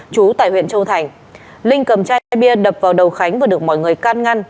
chú tại huyện châu thành linh cầm chai bia đập vào đầu khánh và được mọi người can ngăn